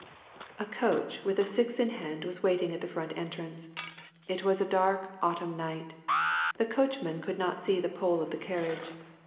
A coach with a six in hand was waiting at the front entrance. It was a dark, autumn night. The coachman could not see the pole of the carriage.